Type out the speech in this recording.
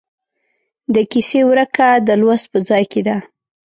د کیسې ورکه د لوست په ځای کې ده.